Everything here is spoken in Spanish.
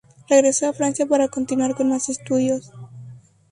Regresó a Francia para continuar con más estudios.